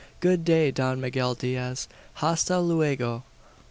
Good day, Don Miguel Diaz! Hasta luego!"